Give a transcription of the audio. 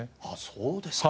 そうですか。